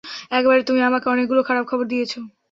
একবারে তুমি আমাকে অনেকগুলো খারাপ খবর দিয়েছ।